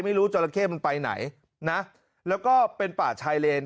ไม่รู้จอละเข้มันไปไหนนะแล้วก็เป็นป่าชายเลน